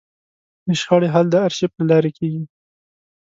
د شخړې حل د ارشیف له لارې کېږي.